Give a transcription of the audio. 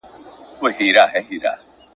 ځکه مي لمر ته وویل !.